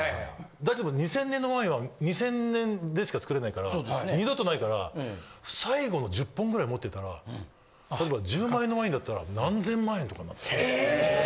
大体２０００年のワインは２０００年でしか造れないから、二度とないから、最後の１０本ぐらい持ってたら、例えば、１０万円のワインだったら何千万円とかになる。